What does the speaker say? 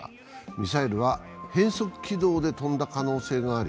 ミサイルは変則軌道で飛んだ可能性があり、